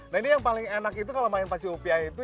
nah ini yang paling enak itu kalau main pacu upiah itu